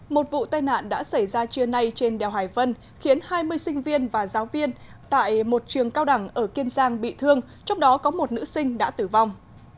một vụ tai nạn đã xảy ra trưa nay trên đèo hải vân khiến hai mươi sinh viên và giáo viên tại một trường cao đẳng ở kiên giang bị thương trong đó có một nữ sinh đã tử vong